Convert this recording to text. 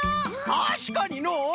たしかにのう！